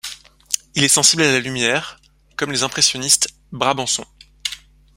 Il est sensible à la lumière, comme les impressionnistes brabançons.